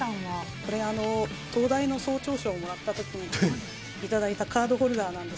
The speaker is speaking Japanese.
これ、東大の総長賞をもらったときに頂いたカードホルダーなんです